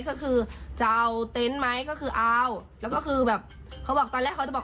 ก็คือจะเอาเต็นต์ไหมก็คือเอาแล้วก็คือแบบเขาบอกตอนแรกเขาจะบอก